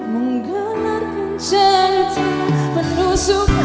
menggelarkan cerita penuh sukacita